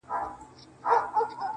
خدايه هغه زما د کور په لار سفر نه کوي~